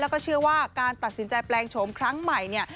แล้วก็เชื่อว่าการตัดสินใจแปลงโฉมครั้งใหม่เนี่ย